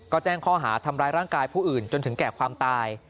ก็แจ้งข้อหาทำร้ายร่างกายผู้อื่นจนถึงแก่ความตาย